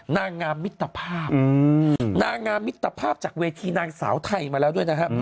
นางงามมิตรภาพนางงามมิตรภาพจากเวทีนางสาวไทยมาแล้วด้วยนะฮะ